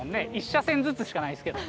１車線ずつしかないですけど。